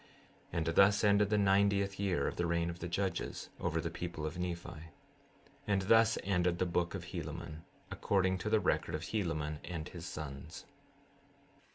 16:24 And thus ended the ninetieth year of the reign of the judges over the people of Nephi. 16:25 And thus ended the book of Helaman, according to the record of Helaman and his sons.